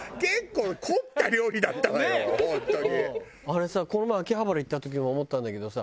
あれさこの前秋葉原行った時も思ったんだけどさ